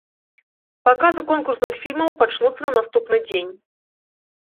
Паказы конкурсных фільмаў пачнуцца на наступны дзень.